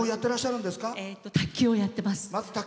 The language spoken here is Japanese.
卓球をやっています。